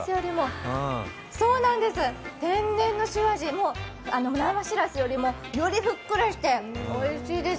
天然の塩味、生しらすより、よりふっくらしておいしいです。